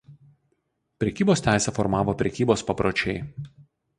Prekybos teisę formavo prekybos papročiai.